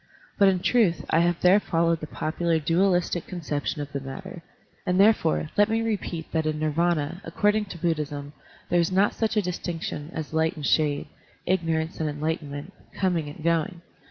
But in truth I have there followed the popular dualistic conception of the matter; and therefore let me repeat that in Nirvdna, according to Buddhism, there is not such dis tinction as light and shade, ignorance and enlight enment, coming and going.